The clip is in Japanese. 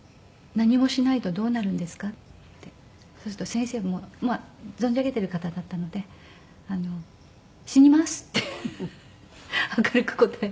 そうすると先生もまあ存じ上げている方だったので「死にます」って明るく答える。